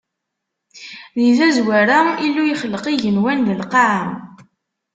Di tazwara, Illu yexleq igenwan d lqaɛa.